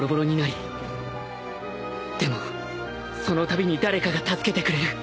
でもそのたびに誰かが助けてくれる